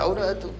ya udah tuh